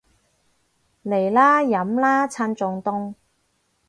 嚟啦，飲啦，趁仲凍